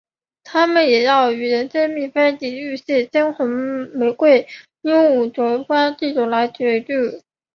它们也要与野生的蜜蜂及入侵的深红玫瑰鹦鹉争夺地方来筑巢。